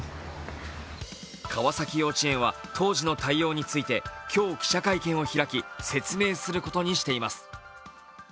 川崎幼稚園は当時の対応について今日記者会見を開き説明することにしています。